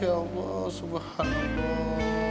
ya allah subhanallah